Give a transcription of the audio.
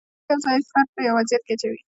دا ټول یو ځای فرد په یو وضعیت کې اچوي.